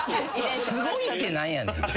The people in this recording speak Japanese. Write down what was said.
すごいって何やねん。